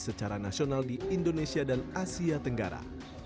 bnsp adalah perbankan nasional di indonesia dan asia tenggara